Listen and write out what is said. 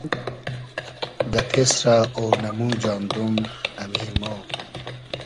دۂ تېسرۂ اۉنئمو جاندوم ، امی مۉ